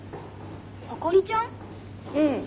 うん。